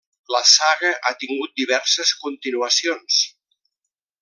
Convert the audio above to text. La saga ha tingut diverses continuacions.